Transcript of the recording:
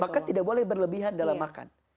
maka tidak boleh berlebihan dalam makan